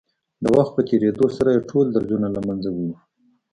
د وخت په تېرېدو سره يې ټول درځونه له منځه وړي.